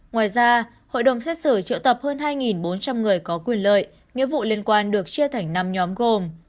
ngoài ra hội đồng xét xử triệu tập hơn hai bốn trăm linh người có quyền lợi nghĩa vụ liên quan được chia thành năm nhóm gồm